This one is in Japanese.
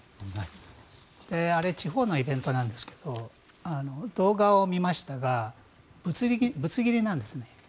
あれ地方のイベントなんですけど動画を見ましたがぶつ切りなんですね。